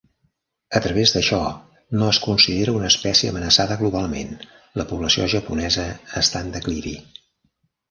A través d'això, no es considera una espècie amenaçada globalment, la població japonesa està en declivi.